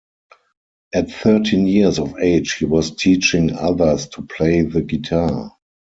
At thirteen years of age he was teaching others to play the guitar.